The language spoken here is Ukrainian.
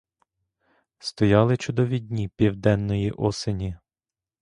Стояли чудові дні південної осені.